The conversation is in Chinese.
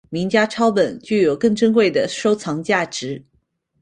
名家抄本具有更珍贵的收藏价值。